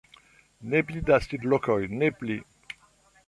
"Ne pli da sidlokoj, ne pli!"